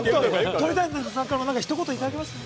鳥谷さんからもひと言、いただけますか？